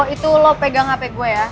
itu lo pegang hp gue ya